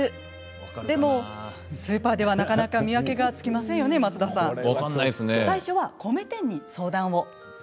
でもスーパーでは、なかなか見分けがつかないので最初は、米店に相談を。